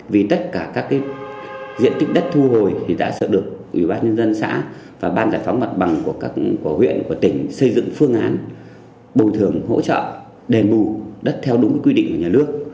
vì tất cả các diện tích đất thu hồi thì đã sở được ủy ban nhân dân xã và ban giải phóng mặt bằng của các của huyện của tỉnh xây dựng phương án bồi thường hỗ trợ đền bù đất theo đúng quy định của nhà nước